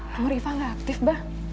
nomor iva gak aktif bah